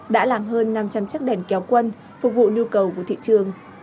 đã làm hơn năm trăm linh chắc đèn kéo quân phục vụ lưu cầu của thị trường